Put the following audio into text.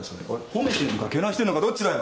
褒めてんのかけなしてんのかどっちだよ！